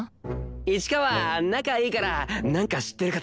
市川仲いいからなんか知ってるかと思って。